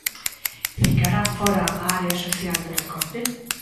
Ficará fóra a área social do recorte?